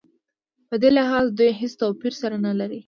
په دې لحاظ دوی هېڅ توپیر سره نه لري.